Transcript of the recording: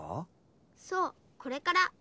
そうこれから。